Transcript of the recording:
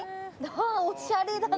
おしゃれだなあ。